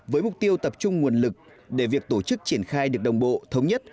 với mục tiêu tập trung nguồn lực để việc tổ chức triển khai được đồng bộ thống nhất